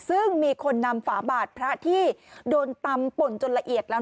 ซึ่งมีคนนำฝาบาดพระที่โดนตำป่นจนละเอียดแล้ว